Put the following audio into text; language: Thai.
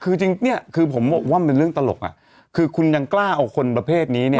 คือจริงเนี่ยคือผมว่ามันเป็นเรื่องตลกอ่ะคือคุณยังกล้าเอาคนประเภทนี้เนี่ย